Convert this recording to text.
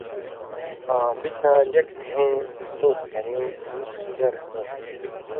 آں بِڅاں لیَکھہۡ گھېں، مېش گھریُوں آں ژرہۡ لؤ